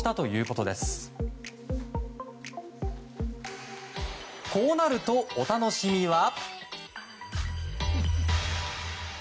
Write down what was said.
こうなると、お楽しみは。